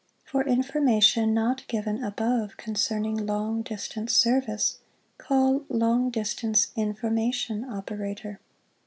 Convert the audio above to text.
For information not given above concerning long distance service, call "Long Distance Information Operator."